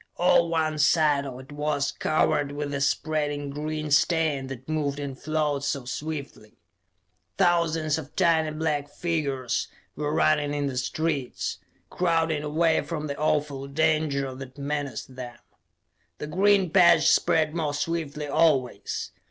All one side of it was covered with the spreading green stain that moved and flowed so swiftly. Thousands of tiny black figures were running in the streets, crowding away from the awful danger that menaced them. The green patch spread more swiftly always.